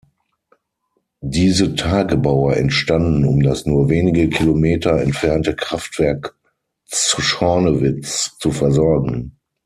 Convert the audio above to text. Diese Tagebaue entstanden, um das nur wenige Kilometer entfernte Kraftwerk Zschornewitz zu versorgen.